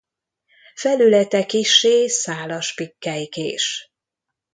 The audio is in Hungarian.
Felülete kissé szálas-pikkelykés.